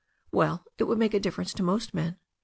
"Well, it would make a difference to most men."